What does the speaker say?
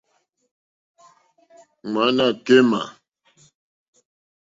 Ŋwánâ kémà.